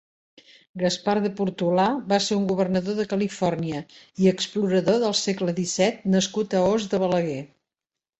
Gaspar de Portolà va ser un governador de Califòrnia i explorador del segle disset nascut a Os de Balaguer.